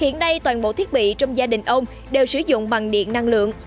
các toàn bộ thiết bị trong gia đình ông đều sử dụng bằng điện năng lượng